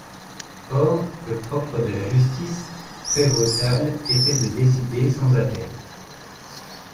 Or, le propre de la justice prévôtale était de décider sans appel.